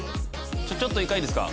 ちょっと１回いいですか？